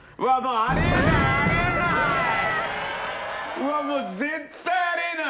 うわもう絶対あり得ない！